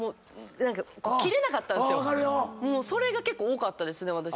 それが結構多かったですね。